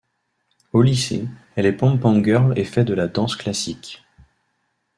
Au lycée, elle est pom-pom girl et fait de la danse classique.